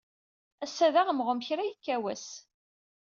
Ass-a d aɣemɣum kra yekka wass.